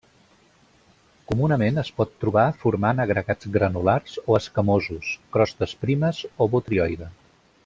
Comunament es pot trobar formant agregats granulars o escamosos, crostes primes o botrioide.